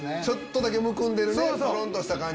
ちょっとだけむくんでる。